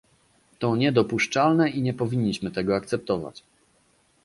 To niedopuszczalne i nie powinniśmy tego akceptować